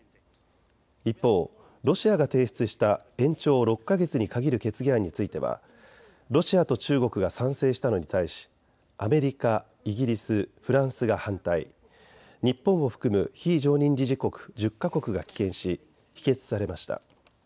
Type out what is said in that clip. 一方、ロシアが提出した延長を６か月に限る決議案についてはロシアと中国が賛成したのに対しアメリカ、イギリス、フランスが反対、日本を含む非常任理事国１０か国が棄権し否決されました。